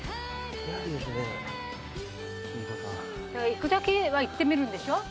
行くだけは行ってみるんでしょ？